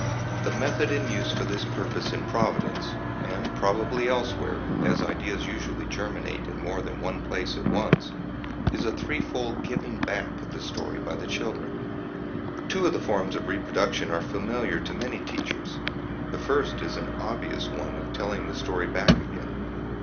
The method in use for this purpose in Providence (and probably elsewhere, as ideas usually germinate in more than one place at once) is a threefold giving back of the story by the children. Two of the forms of reproduction are familiar to many teachers; the first is the obvious one of telling the story back again.